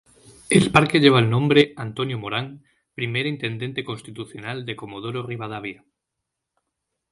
El parque lleva el nombre "Antonio Morán", primer intendente constitucional de Comodoro Rivadavia.